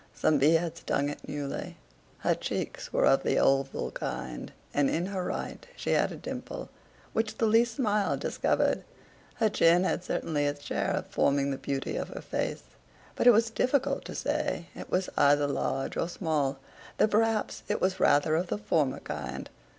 Some bee had stung it newly. Her cheeks were of the oval kind; and in her right she had a dimple, which the least smile discovered. Her chin had certainly its share in forming the beauty of her face; but it was difficult to say it was either large or small, though perhaps it was rather of the former kind.